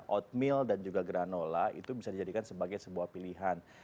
oatmeal dan juga granola itu bisa dijadikan sebagai sebuah pilihan